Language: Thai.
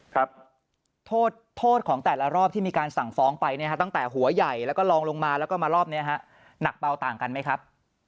ครับโทษโทษของแต่ละรอบที่มีการสั่งฟ้องไปเนี่ยฮะตั้งแต่หัวใหญ่แล้วก็ลองลงมาแล้วก็มารอบนี้ฮะหนักเบาต่างกันไหมครับ